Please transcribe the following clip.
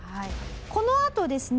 このあとですね。